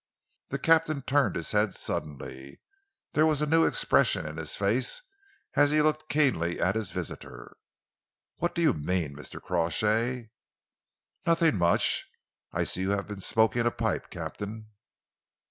The captain turned his head suddenly. There was a new expression in his face as he looked keenly at his visitor. "What do you mean, Mr. Crawshay?" "Nothing much. I see you have been smoking a pipe, Captain.